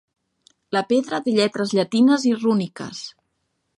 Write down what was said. La pedra té lletres llatines i rúniques.